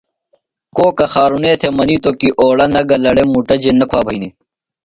کوکہ خارُݨے تھےۡ منِیتوۡ کی اوڑ نہ گلہ لےۡ مُٹ نہ کُھوا بھئینیۡ۔